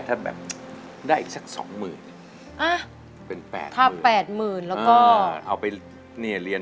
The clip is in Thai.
ตั้งใจไว้แบบนี้